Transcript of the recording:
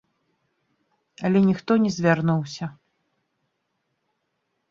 Але ніхто не звярнуўся.